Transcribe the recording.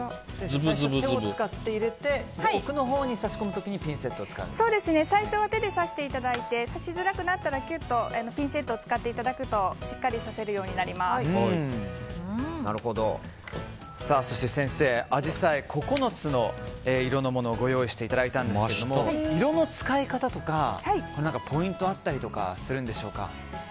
最初は手を使っていただいて奥のほうに挿しこむ時に最初は手で挿していただいて挿しづらくなったらピンセットを使っていただくとそして先生、アジサイ９つの色のものをご用意していただいたんですが色の使い方とかポイントがあったりするんでしょうか。